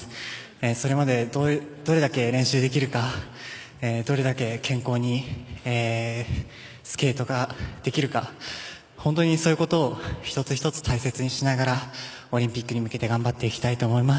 それまでどれだけ練習できるかどれだけ健康にスケートができるか本当にそういうことを１つ１つ大切にしながらオリンピックに向けて頑張っていきたいと思います。